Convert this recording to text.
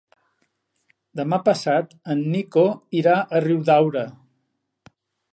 Demà passat en Nico irà a Riudaura.